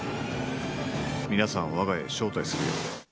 皆さんわが家へ招待するよ。